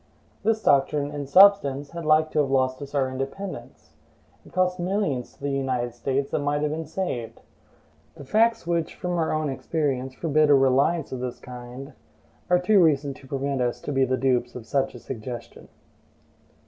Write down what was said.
This doctrine, in substance, had like to have lost us our independence. It cost millions to the United States that might have been saved. The facts which, from our own experience, forbid a reliance of this kind, are too recent to permit us to be the dupes of such a suggestion.